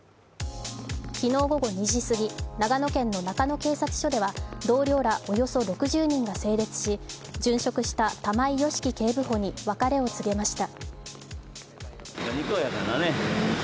昨日、午後２時過ぎ、長野県の中野警察署では同僚らおよそ６０人が整列し殉職した玉井良樹警部補に別れを告げました。